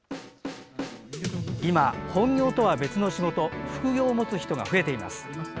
今、本業とは別の仕事副業を持つ人が増えています。